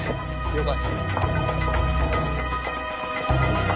了解。